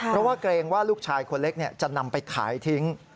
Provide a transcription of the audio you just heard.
เพราะว่าเกรงว่าลูกชายคนเล็กจะนำไปขายทิ้ง